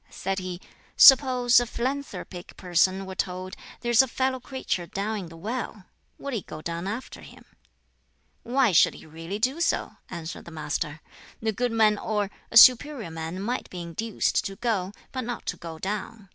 Said he, "Suppose a philanthropic person were told, 'There's a fellow creature down in the well!' Would he go down after him?" "Why should he really do so?" answered the Master. "The good man or, a superior man might be induced to go, but not to go down.